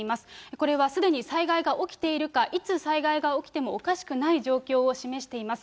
これはすでに災害が起きているか、いつ災害が起きてもおかしくない状況を示しています。